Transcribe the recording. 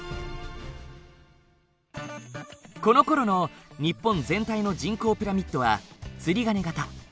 このころの日本全体の人口ピラミッドはつりがね型。